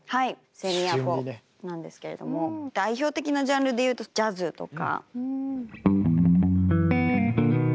セミアコなんですけれども代表的なジャンルでいうとジャズとか。